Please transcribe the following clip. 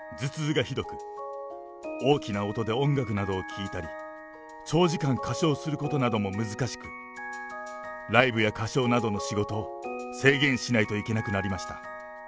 めまいと吐き気、頭痛がひどく、大きな音で音楽などを聴いたり、長時間歌唱することなども難しく、ライブや歌唱などの仕事を制限しないといけなくなりました。